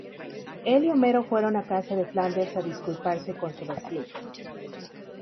Él y Homero fueron a casa de Flanders a disculparse con su vecino.